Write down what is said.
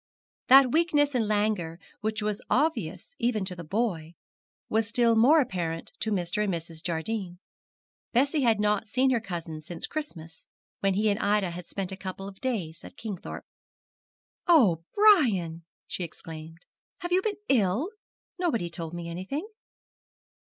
That weakness and languor which was obvious even to the boy, was still more apparent to Mr. and Mrs. Jardine. Bessie had not seen her cousin since Christmas, when he and Ida had spent a couple of days at Kingthorpe. 'Oh, Brian,' she exclaimed, 'have you been ill? Nobody told me anything.'